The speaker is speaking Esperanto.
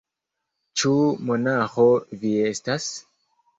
Ĉu monaĥo vi estas?